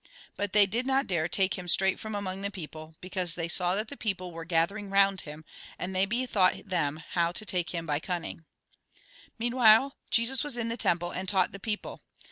But they did not dase to take him straight from among the people, because they saw that the people were gathering round Idm, and they bethought them how to take him by cunning. Meanwhile Jesus was in the temple, and taught the people.